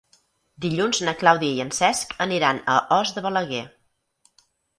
Dilluns na Clàudia i en Cesc aniran a Os de Balaguer.